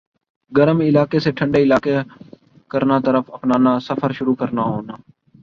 گرم علاقہ سے ٹھنڈے علاقہ کرنا طرف اپنانا سفر شروع کرنا ہونا